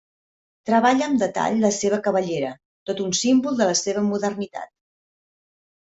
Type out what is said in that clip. Treballa amb detall la seva cabellera, tot un símbol de la seva modernitat.